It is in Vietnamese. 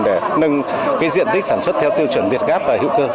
để nâng diện tích sản xuất theo tiêu chuẩn việt gáp và hữu cơ